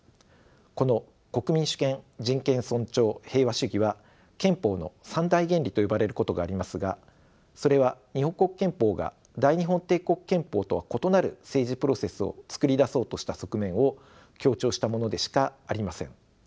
この国民主権人権尊重平和主義は憲法の三大原理と呼ばれることがありますがそれは日本国憲法が大日本帝国憲法とは異なる政治プロセスを作り出そうとした側面を強調したものでしかありません。